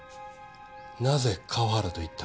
なぜ河原と行った？